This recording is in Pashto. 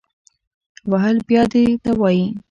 وهل بیا دې ته وایي